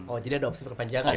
oh jadi ada opsi perpanjangan ya